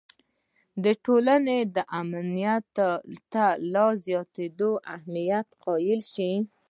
د ټولنې امنیت ته لا زیات اهمیت قایل شي.